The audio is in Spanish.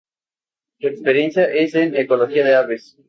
Su experiencia es en ecología de aves.